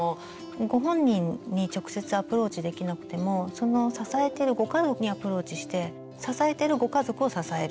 ご本人に直接アプローチできなくてもその支えてるご家族にアプローチして支えてるご家族を支える。